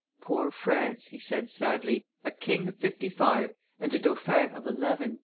"Poor France!" he said sadly, "a king of fifty five and a dauphin of eleven!"